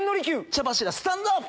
茶柱スタンドアップ！